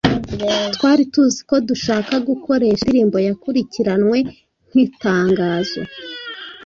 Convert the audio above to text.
twari tuzi ko dushaka gukoresha indirimbo yakurikiranwe nk'itangazo